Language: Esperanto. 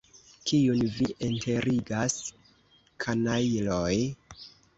Kiun vi enterigas, kanajloj?